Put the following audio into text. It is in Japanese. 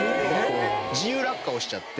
自由落下をしちゃって。